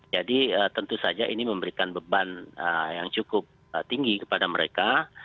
jadi tentu saja ini memberikan beban yang cukup tinggi kepada mereka